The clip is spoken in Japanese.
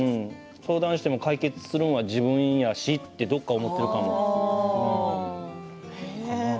相談しても解決するのは自分やしってどこか思っているかな。